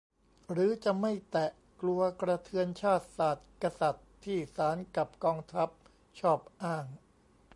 หรือจะไม่แตะ กลัวกระเทือน "ชาติ ศาสน์ กษัตริย์" ที่ศาลกับกองทัพชอบอ้าง